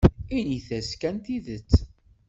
Init-as kan tidet.